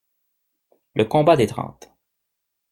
Le Combat des Trente.